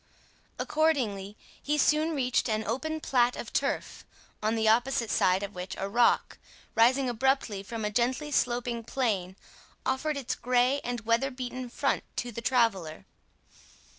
Accordingly, he soon reached an open plat of turf, on the opposite side of which, a rock, rising abruptly from a gently sloping plain, offered its grey and weatherbeaten front to the traveller.